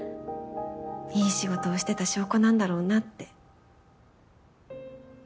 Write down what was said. いい仕事をしてた証拠なんだろうなって。